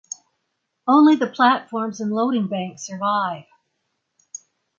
Only the platforms and loading bank survive.